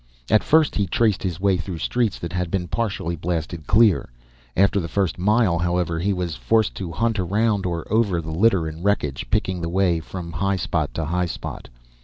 At first, he traced his way through streets that had been partially blasted clear. After the first mile, however, he was forced to hunt around or over the litter and wreckage, picking the way from high spot to high spot.